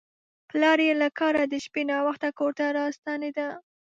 پلار یې له کاره د شپې ناوخته کور ته راستنېده.